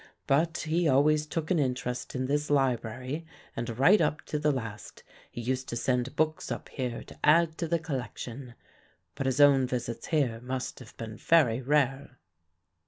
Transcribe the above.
But he always took an interest in this library and right up to the last he used to send books up here to add to the collection, but his own visits here must have been very rare."